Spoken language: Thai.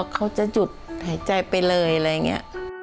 เขาจะหยุดหายใจไปเลยอะไรอย่างนี้